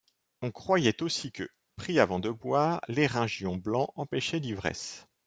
On croyait aussi que, pris avant de boire, l'éryngion blanc empêchait l'ivresse.